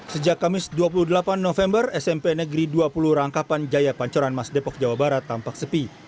sejak kamis dua puluh delapan november smp negeri dua puluh rangkapan jaya pancoran mas depok jawa barat tampak sepi